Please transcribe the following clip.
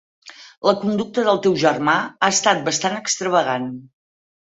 La conducta del teu germà ha estat bastant extravagant.